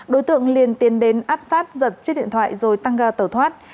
đối tượng liền tiến đến áp sát giật chiếc điện thoại rồi tăng ga tẩu thoát